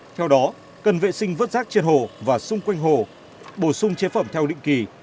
theo đó cần vệ sinh vớt rác trên hồ và xung quanh hồ bổ sung chế phẩm theo định kỳ